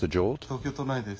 東京都内です。